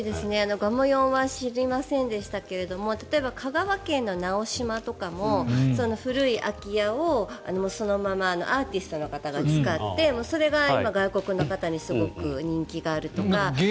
がもよんは知りませんでしたが例えば香川県の直島とかも古い空き家をそのままアーティストの方が使ってそれが今、外国の方にすごく人気があるとか。